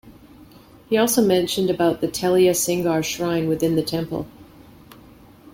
He also mentioned about the Telliya Singar shrine within the temple.